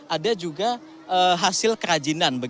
ada juga hasil kerajinan